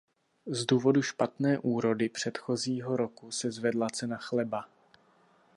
Z důvodu špatné úrody předchozího roku se zvedla cena chleba.